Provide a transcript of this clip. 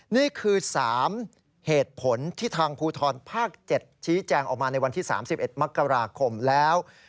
นี่คือ๓เหตุผลที่ทางภูทรภาค๗ชี้แจงออกมาในวันที่๓๑มกราคมแล้ว